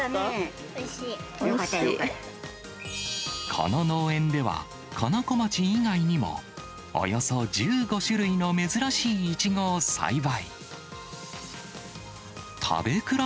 この農園では、かなこまち以外にも、およそ１５種類の珍しいイチゴを栽培。